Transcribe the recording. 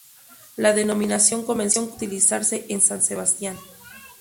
La denominación comenzó a utilizarse en San Sebastián.